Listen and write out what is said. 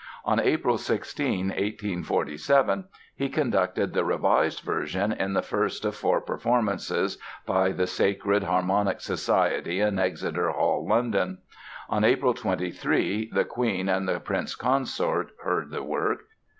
On April 16, 1847, he conducted the revised version in the first of four performances by the Sacred Harmonic Society in Exeter Hall, London. On April 23 the Queen and the Prince Consort heard the work.